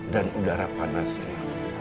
dan udara panasnya